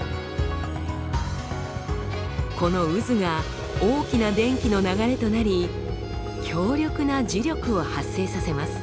この渦が大きな電気の流れとなり強力な磁力を発生させます。